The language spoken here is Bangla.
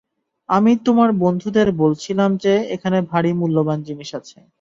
আমি তোমার বন্ধুদের বলছিলাম যে এখানে ভারি মূল্যবান জিনিস আছে।